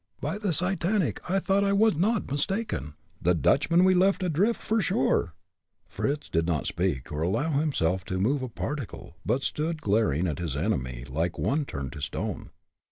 by the Satanic I thought I was not mistaken. The Dutchman we left adrift, for sure!" Fritz did not speak, or allow himself to move a particle, but stood glaring at his enemy like one turned to stone.